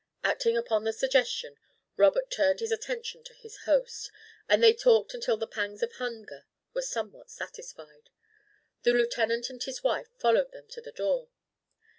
Acting upon the suggestion, Robert turned his attention to his host, and they talked until the pangs of hunger were somewhat satisfied. The Lieutenant and his wife followed them to the door.